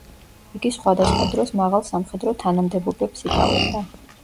იგი სხვადასხვა დროს მაღალ სამხედრო თანამდებობებს იკავებდა.